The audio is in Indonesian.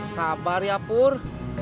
sabar ya pur